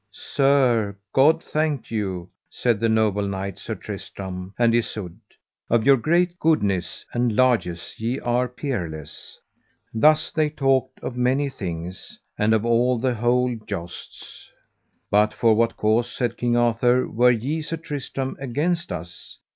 Sir, God thank you, said the noble knight, Sir Tristram, and Isoud; of your great goodness and largess ye are peerless. Thus they talked of many things and of all the whole jousts. But for what cause, said King Arthur, were ye, Sir Tristram, against us?